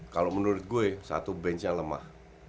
kalau menurut gue satu benchnya lemah